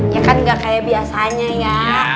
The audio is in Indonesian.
ya kan gak kayak biasanya ya